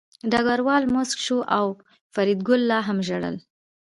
ډګروال موسک شو او فریدګل لا هم ژړل